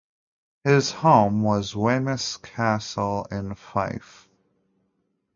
His home was Wemyss Castle in Fife.